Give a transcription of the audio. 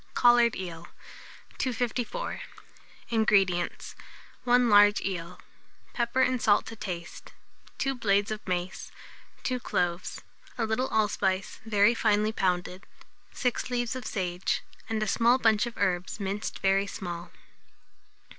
COLLARED EEL. 254. INGREDIENTS. 1 large eel; pepper and salt to taste; 2 blades of mace, 2 cloves, a little allspice very finely pounded, 6 leaves of sage, and a small bunch of herbs minced very small.